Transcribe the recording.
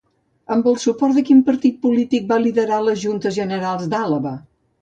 Amb el suport de quin partit polític va liderar les Juntes Generals d'Àlaba?